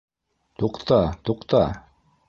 — Туҡта, туҡта.